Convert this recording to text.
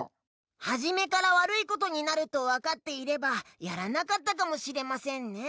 はじめから悪いことになるとわかっていればやらなかったかもしれませんね。